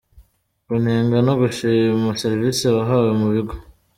Kunenga no gushima servisi wahawe mu bigo.